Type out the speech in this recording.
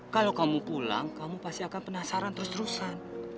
kalau kamu pulang kamu pasti akan penasaran terus terusan